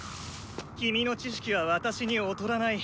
キミの知識は私に劣らない。